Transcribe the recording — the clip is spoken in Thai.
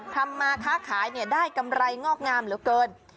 ทำมาค้าขายได้กำไรงอกงามเหลือเกิน